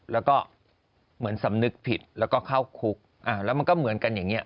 แล้วก็เหมือนสำนึกผิดแล้วก็เข้าคุกแล้วมันก็เหมือนกันอย่างนี้